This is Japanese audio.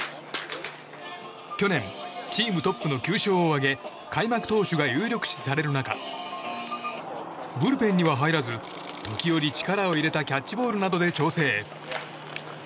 去年チームトップの９勝を挙げ開幕投手が有力視される中ブルペンには入らず時折、力を入れたキャッチボールなどで調整。